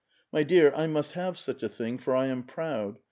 My dear, I must have such a thing, for I am proud.